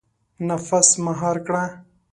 • نفس مهار کړه.